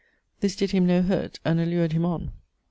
This did him no hurt, and allured him on.